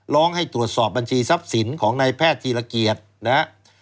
ร้องให้ตรวจสอบบัญชีทรัพย์สินของนายแพทย์ทีรกิจนะ